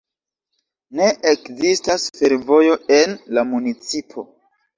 Ne ekzistas fervojo en la municipo.